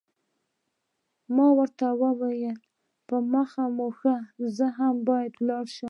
ما ورته وویل، په مخه مو ښه، زه هم باید ولاړ شم.